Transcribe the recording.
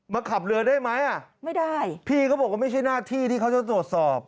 ขับเรือได้ไหมอ่ะไม่ได้พี่เขาบอกว่าไม่ใช่หน้าที่ที่เขาจะตรวจสอบ